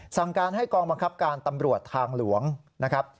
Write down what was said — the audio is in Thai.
สั่งการให้กองบังคับการตำรวจทางหลวงนะครับ